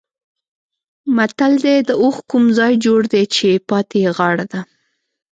متل دی: د اوښ کوم ځای جوړ دی چې پاتې یې غاړه ده.